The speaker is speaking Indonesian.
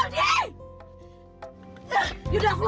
zal diberhentiinmu begini sekarang juga gak